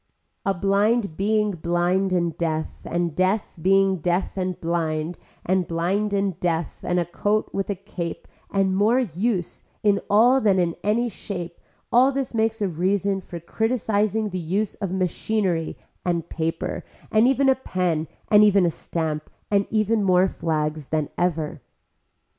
A blind being blind and deaf and deaf being deaf and blind and blind and deaf and a coat with a cape and more use in all than in any shape all this makes a reason for criticising the use of machinery and paper and even a pen and even a stamp and even more flags than ever.